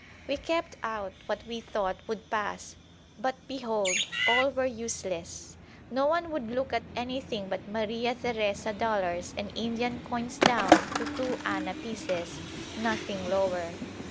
We kept out what we thought would pass, but behold! all were useless; no one would look at anything but Maria Theresa dollars and Indian coins down to two anna pieces nothing lower.